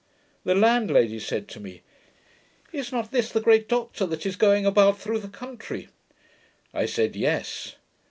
The landlady said to me, 'Is not this the great Doctor that is going about through the country?' I said, 'Yes.'